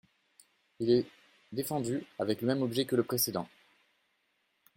Il est défendu, avec le même objet que le précédent.